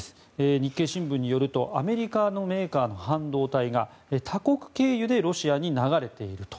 日経新聞によるとアメリカのメーカーの半導体が他国経由でロシアに流れていると。